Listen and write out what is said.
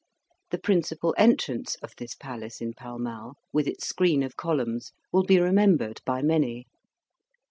The principal entrance of this palace in Pall Mall, with its screen of columns, will be remembered by many.